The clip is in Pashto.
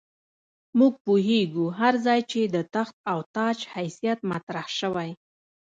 موږ پوهېږو هر ځای چې د تخت او تاج حیثیت مطرح شوی.